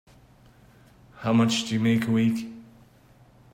How much do you make a week?